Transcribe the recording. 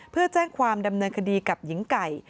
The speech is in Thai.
เพื่อแจ้งความดำเนินคดีกับหญิงไก่